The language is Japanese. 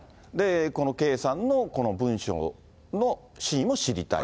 この圭さんのこの文書の真意も知りたい。